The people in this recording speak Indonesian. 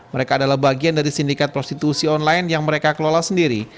mereka adalah bagian dari sindikat prostitusi online yang mereka kelola sendiri